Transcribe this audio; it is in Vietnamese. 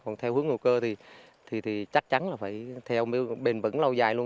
còn theo hướng ngầu cơ thì chắc chắn là phải theo bền vững lâu dài luôn